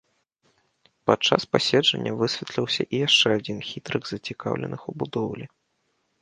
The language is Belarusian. Падчас паседжання высветліўся і яшчэ адзін хітрык зацікаўленых у будоўлі.